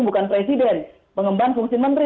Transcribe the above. bukan presiden mengemban fungsi menteri